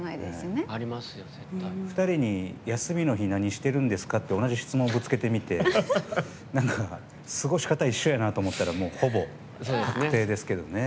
２人に、休みの日何してるんですか？って同じ質問をぶつけてみてなんか、過ごし方一緒やなと思ったらほぼ確定ですけどね。